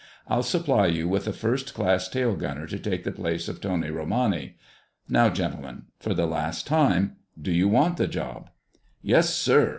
I'll supply you with a first class tail gunner to take the place of Tony Romani.... Now, gentlemen, for the last time, do you want the job?" "Yes, sir!"